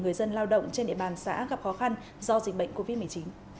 người dân lao động trên địa bàn xã gặp khó khăn do dịch bệnh covid một mươi chín